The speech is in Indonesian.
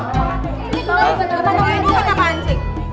ini juga obat apaan cik